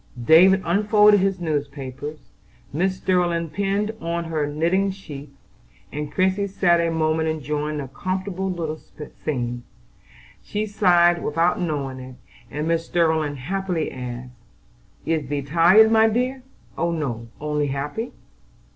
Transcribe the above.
David unfolded his newspapers, Mrs. Sterling pinned on her knitting sheath, and Christie sat a moment enjoying the comfortable little scene. She sighed without knowing it, and Mrs. Sterling asked quickly: "Is thee tired, my dear?" "Oh, no! only happy."